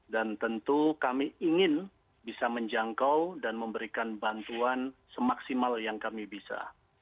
dan tentu kami ingin bisa menjangkau dan memberikan bantuan semaksimal yang kami bisa